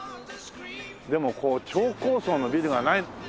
でもこう超高層のビルがない。